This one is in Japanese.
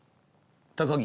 高木